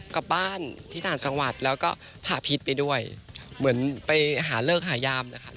กลับบ้านที่ต่างจังหวัดแล้วก็พาพิษไปด้วยเหมือนไปหาเลิกหายามนะคะ